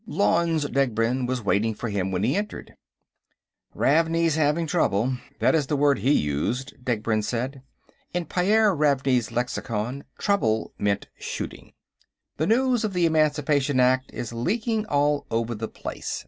Lanze Degbrend was waiting for him when he entered. "Ravney's having trouble. That is the word he used," Degbrend said. In Pyairr Ravney's lexicon, trouble meant shooting. "The news of the Emancipation Act is leaking all over the place.